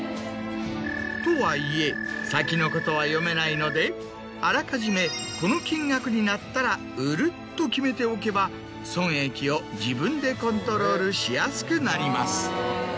とはいえ先のことは読めないのであらかじめ「この金額になったら売る」と決めておけば損益を自分でコントロールしやすくなります。